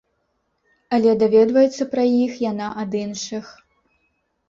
Але даведваецца пра іх яна ад іншых.